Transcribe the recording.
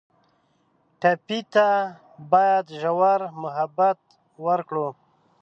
ټپي ته باید ژور محبت ورکړو.